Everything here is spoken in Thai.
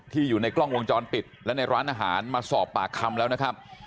อยู่ในกล้องวงจรปิดและในร้านอาหารมาสอบปากคำแล้วนะครับ